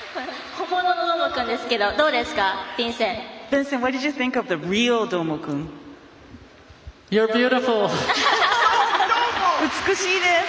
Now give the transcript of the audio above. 本物のどーもくんですけどどうですか？